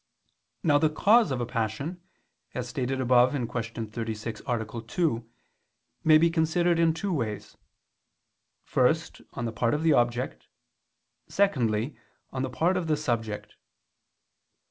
Now the cause of a passion, as stated above (Q. 36, A. 2), may be considered in two ways: first, on the part of the object; secondly, on the part of the subject.